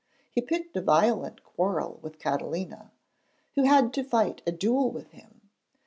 He picked a violent quarrel with Catalina, who had to fight a duel with him.